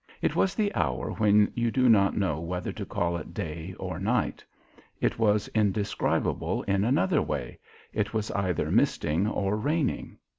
It was the hour when you do not know whether to call it day or night. It was indescribable in another way, it was either misting or raining.